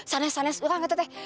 sanes sanes orang gitu teh